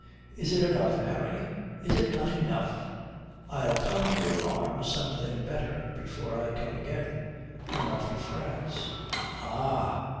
Is it enough, Harry, is it not enough?" "I'll come to your arms something better before I come again. I am off to France." "Ah!"